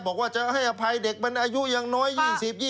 บอกว่าจะให้อภัยเด็กมันอายุอย่างน้อย๒๐๒๓ไม่ให้มี